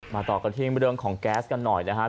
ต่อกันที่เรื่องของแก๊สกันหน่อยนะครับ